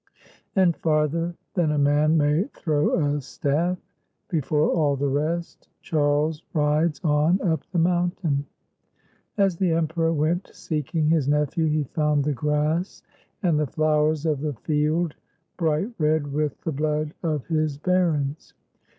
And farther than a man may throw a staff, before all the rest Charles rides on up the mountain. As the Emperor went seeking his nephew, he found the grass and the flowers of the field bright red with the blood of his barons.